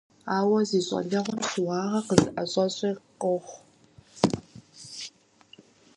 Ауэ зи щӀалэгъуэм щыуагъэ къыщыӀэщӀэщӀи къохъу.